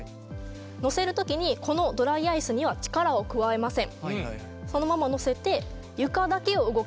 乗せる時にこのドライアイスには力を加えません。